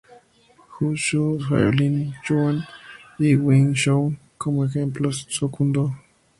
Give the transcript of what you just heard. Wu Shu, Shaolin Chuan y Wing Chung, como ejemplos, son Kun Do.